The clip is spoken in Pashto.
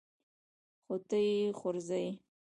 خو ته يې خورزه يې.